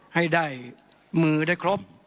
ให้ได้มือได้ครบ